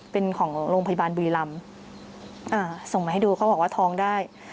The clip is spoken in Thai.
เป็นของโรงพยาบาลบุรีรำอ่าส่งมาให้ดูเขาบอกว่าท้องได้